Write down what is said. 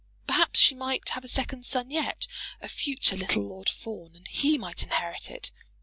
Perhaps she might have a second son yet, a future little Lord Fawn, and he might inherit it.